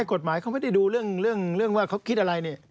ไม่กฎหมายเขาไม่ได้ดูเรื่องว่าเขาคิดอะไร